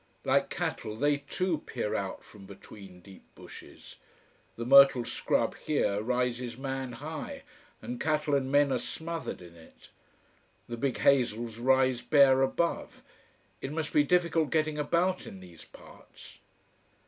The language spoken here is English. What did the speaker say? Like cattle they too peer out from between deep bushes. The myrtle scrub here rises man high, and cattle and men are smothered in it. The big hazels rise bare above. It must be difficult getting about in these parts.